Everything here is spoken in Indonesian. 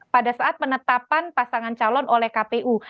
pada saat penetapan pasangan calon oleh kpu